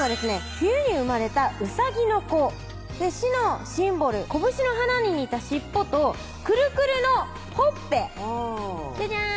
冬に生まれたウサギの子市のシンボル・コブシの花に似た尻尾とくるくるのほっぺジャジャーン